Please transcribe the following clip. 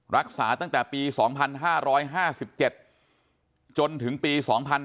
รักษาตั้งแต่ปี๒๕๕๗จนถึงปี๒๕๕๙